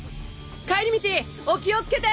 帰り道お気を付けて！